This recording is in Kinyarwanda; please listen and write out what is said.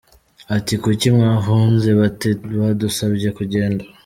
Ati, « Kuki mwahunze ?», bati, « Badusabye kugenda ».